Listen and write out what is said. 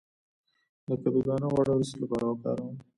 د کدو دانه غوړي د څه لپاره وکاروم؟